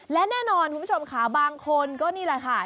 และแน่นอนคุณผู้ชมค่ะบางคนก็นี่แหละค่ะ